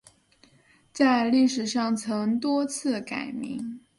在历史上曾多次改名。